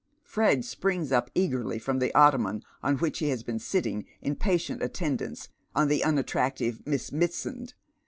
Fred springs up eagerly from the ottoman on which he has been sitting in patient attendance on the unattractive Miss Mitsand.